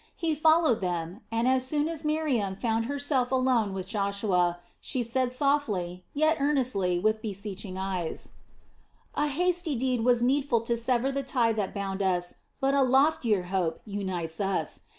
He followed them, and as soon as Miriam found herself alone with Joshua, she said softly, yet earnestly, with beseeching eyes: "A hasty deed was needful to sever the tie that bound us, but a loftier hope unites us.